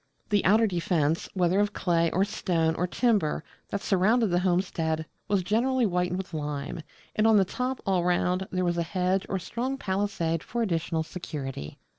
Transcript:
The outer defence, whether of clay, or stone, or timber, that surrounded the homestead was generally whitened with lime; and on the top all round, there was a hedge or strong palisade for additional security.